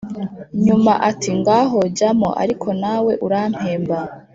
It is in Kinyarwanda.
nyuma iti: “ngaho jyamo ariko nawe urampemba!”